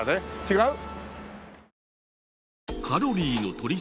違う？